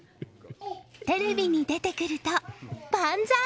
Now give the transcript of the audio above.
テレビに出てくると万歳！